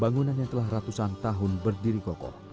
bangunan yang telah ratusan tahun berdiri kokoh